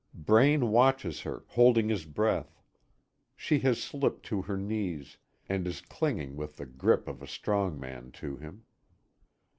Braine watches her, holding his breath. She has slipped to her knees, and is clinging with the grip of a strong man to him.